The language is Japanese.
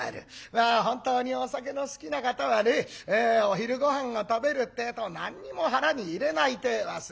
まあ本当にお酒の好きな方はねお昼ごはんを食べるってえと何も腹に入れないてえ言いますね。